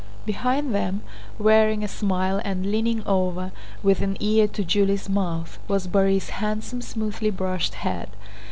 Behind them, wearing a smile and leaning over with an ear to Julie's mouth, was Borís' handsome smoothly brushed head.